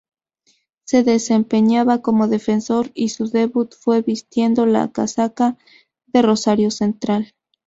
Se desempeñaba como defensor y su debut fue vistiendo la casaca de Rosario Central.